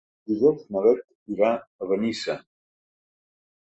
Dijous na Beth irà a Benissa.